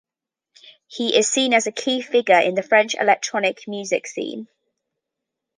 He is seen as a key figure in the French electronic music scene.